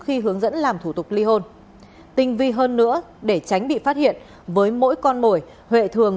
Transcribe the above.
thì sẽ dẫn làm thủ tục ly hôn tinh vi hơn nữa để tránh bị phát hiện với mỗi con mồi huệ thường